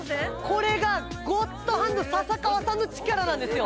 これがゴッドハンド笹川さんの力なんですよ！